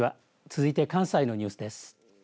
続いて関西のニュースです。